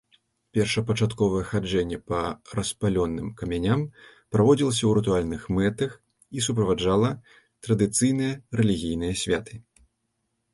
Першапачаткова хаджэнне па распаленым камяням праводзілася ў рытуальных мэтах і суправаджала традыцыйныя рэлігійныя святы.